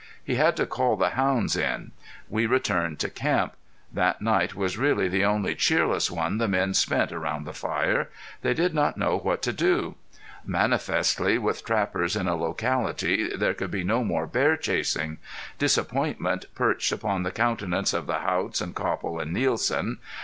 He had to call the hounds in. We returned to camp. That night was really the only cheerless one the men spent around the fire. They did not know what to do. Manifestly with trappers in a locality there could be no more bear chasing. Disappointment perched upon the countenances of the Haughts and Copple and Nielsen.